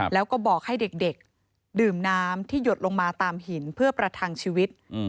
แล้วก็บอกให้เด็กดื่มน้ำที่หยดลงมาตามหินเพื่อประทังชีวิต